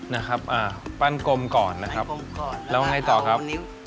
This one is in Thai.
นะครับปั้นกลมก่อนนะครับแล้วไงต่อครับ